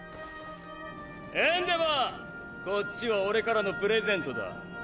エンデヴァーこっちは俺からのプレゼントだ。